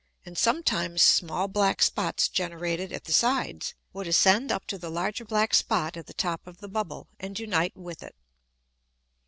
And sometimes small black Spots generated at the sides would ascend up to the larger black Spot at the top of the Bubble, and unite with it.